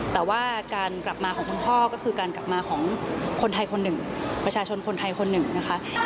แต่ว่าการกลับมาของคุณพ่อก็คือการกลับมาของคนไทยคนหนึ่งประชาชนคนไทยคนหนึ่งนะคะ